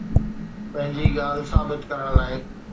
پنهنجي ڳالهه ثابت ڪرڻ لاءِ